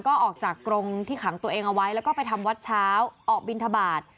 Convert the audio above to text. ก็ออกจากกรงที่ขังตัวเองเอาไว้แล้วก็ไปทำวัดเช้าออกบินทบาท